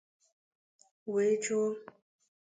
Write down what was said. wee jụọ